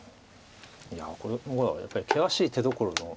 いやこの碁はやっぱり険しい手どころの。